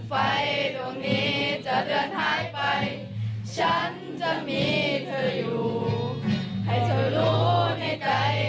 เสียงที่ลมได้ผ้าพัดไปกับกาย